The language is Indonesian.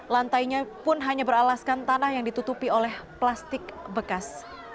lantainya pun hanya beralaskan tanah yang ditutupi oleh plastik bekas